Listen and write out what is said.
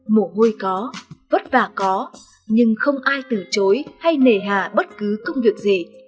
mổ hôi có vất vả có nhưng không ai từ chối hay nề hà bất cứ công việc gì